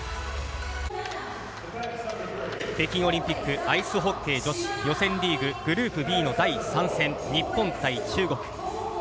北京オリンピックアイスホッケー女子予選リーググループＢの第３戦日本対中国。